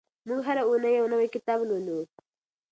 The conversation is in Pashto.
موږ هره اونۍ یو نوی کتاب لولو.